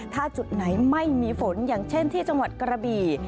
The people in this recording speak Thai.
ถ้าจุดไหนไม่มีฝนอย่างเช่นที่จังหวัดกระบี่